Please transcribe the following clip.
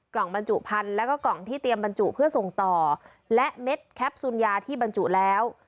บรรจุพันธุ์แล้วก็กล่องที่เตรียมบรรจุเพื่อส่งต่อและเม็ดแคปซูลยาที่บรรจุแล้ว